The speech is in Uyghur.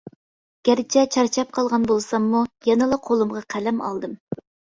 گەرچە چارچاپ قالغان بولساممۇ يەنىلا قولۇمغا قەلەم ئالدىم.